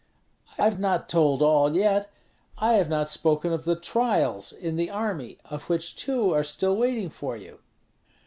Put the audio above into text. "I have not told all yet; I have not spoken of the trials in the army, of which two are still waiting for you."